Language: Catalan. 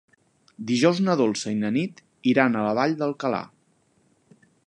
Dijous na Dolça i na Nit iran a la Vall d'Alcalà.